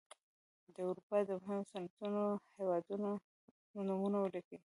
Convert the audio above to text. د اروپا د مهمو صنعتي هېوادونو نومونه ولیکئ.